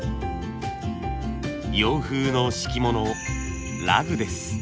洋風の敷物ラグです。